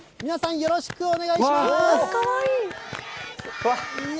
よろしくお願いします。